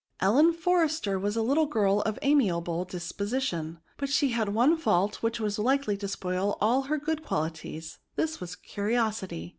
Ellen Forrester was a little girl of an amiable disposition; but she had one fault which was likely to spoil all her good quali ties ; this was curiosity.